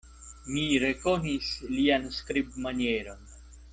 Mi rekonis lian skribmanieron.